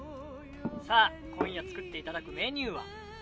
さあ今夜作っていただくメニューは？